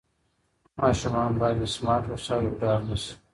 ماشومان باید له سمارټ وسایلو ډار نه سي.